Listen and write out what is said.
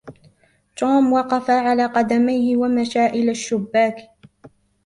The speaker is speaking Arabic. توم وَقَفَ على قَدَمَيهِ و مَشى إلى الشُبَّاكِ